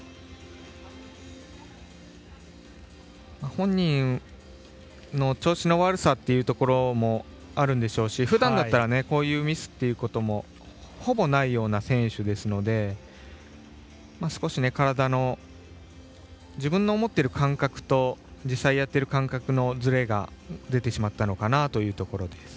本人の調子の悪さというところもあるでしょうしふだんだったらこういうミスということもほぼないような選手ですので少し、体の自分の思っている感覚と実際やっている感覚のずれが出てしまったのかなというところです。